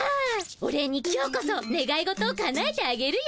お礼に今日こそねがい事をかなえてあげるよ。